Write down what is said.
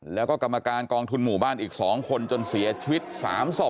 แล้วก็กรรมการกองทุนหมู่บ้านอีก๒คนจนเสียชีวิต๓ศพ